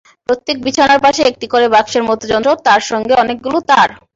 প্রত্যেক বিছানার পাশে একটি করে বাক্সের মতো যন্ত্র, তার সঙ্গে অনেকগুলো তার।